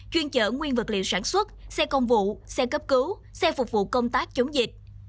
chuyên chở nguyên vật liệu sản xuất xe công vụ xe cấp cứu xe phục vụ công tác chống dịch